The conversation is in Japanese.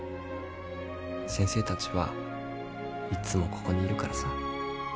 先生たちはいっつもここにいるからさ。